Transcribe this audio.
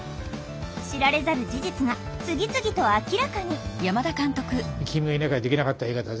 知られざる事実が次々と明らかに。